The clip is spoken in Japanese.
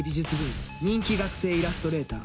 人気学生イラストレーター